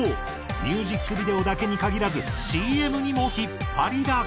ミュージックビデオだけに限らずＣＭにも引っ張りだこ。